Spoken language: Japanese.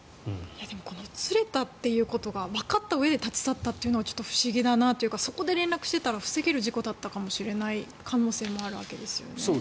でも、このずれたということがわかったうえで立ち去ったというのが不思議だなというかそこで連絡をしていたら防げる事故だった可能性もあるわけですよね。